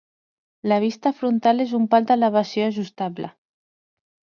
La vista frontal és un pal d'elevació ajustable.